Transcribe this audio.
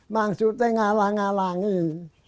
maksudnya nyalah ngalang ini